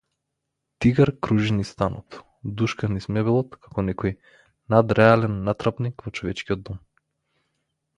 Тигар кружи низ станот, душка низ мебелот како некој надреален натрапник во човечкиот дом.